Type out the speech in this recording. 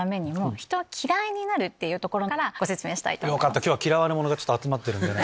よかった今日は嫌われ者が集まってるんでね。